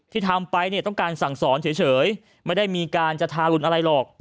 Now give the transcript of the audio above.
ที่ทำไปต้องการสั่งศรเฉยไม่ได้มีการจะทารุนอะไรหรอก